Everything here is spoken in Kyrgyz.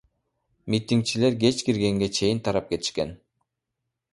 Митингчилер кеч киргенге чейин тарап кетишкен.